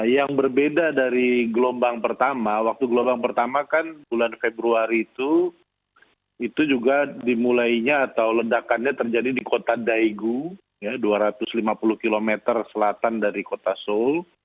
yang berbeda dari gelombang pertama waktu gelombang pertama kan bulan februari itu itu juga dimulainya atau ledakannya terjadi di kota daegu dua ratus lima puluh km selatan dari kota seoul